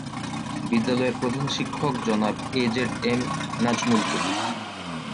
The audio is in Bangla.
বিদ্যালয়ের প্রধান শিক্ষক জনাব A Z M Nazmul Kabir.